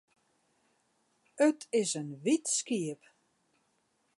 It is in wyt skiep.